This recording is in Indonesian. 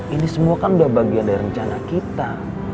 ini semua kan sudah bagian dari rencana kita